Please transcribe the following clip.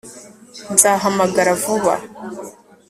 nzahamagara vuba